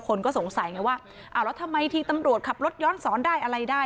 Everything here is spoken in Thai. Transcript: คนก็สงสัยไงว่าอ้าวแล้วทำไมที่ตำรวจขับรถย้อนสอนได้อะไรได้